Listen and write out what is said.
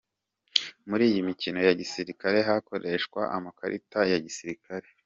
Muri iyi mikino ya gisirikare hakoreshwa amakarita ya gisirikare.